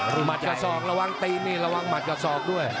หมัดกับศอกระวังตีนนี่ระวังหมัดกับศอกด้วย